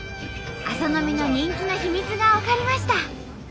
朝飲みの人気の秘密が分かりました。